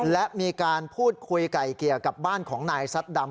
และมีการพูดคุยไก่เกลี่ยกับบ้านของนายซัดดำ